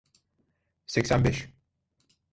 Seksen beş.